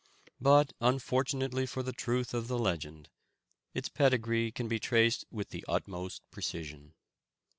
But unfortunately for the truth of the legend, its pedigree can be traced with the utmost precision.